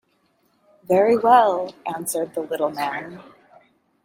"Very well," answered the little man.